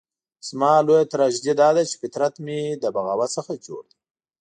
زما لويه تراژیدي داده چې فطرت مې د بغاوت څخه جوړ دی.